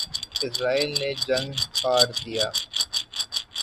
اسرائیل نے یہ جنگ ہار دیا